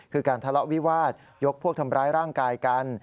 คือการทะเลาะวิวาสยกพวกทำร้ายร่างกายกัน